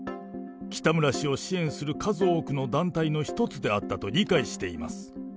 北村氏を支援する数多くの団体の一つであったと理解しています。